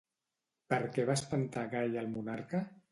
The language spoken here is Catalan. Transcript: Per què va espantar Gai al monarca?